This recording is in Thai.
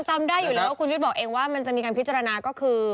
จำได้อยู่แล้วว่าคุณชุวิตบอกเองว่ามันจะมีการพิจารณาก็คือ